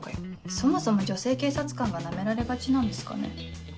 そもそも女性警察官がナメられがちなんですかね。